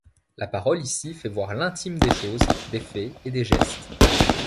La parole ici fait voir l'intime des choses, des faits et des gestes.